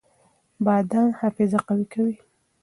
بادام حافظه قوي کوي.